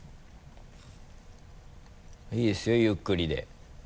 いいですよゆっくりで。